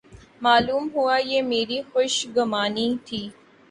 معلوم ہوا یہ میری خوش گمانی تھی۔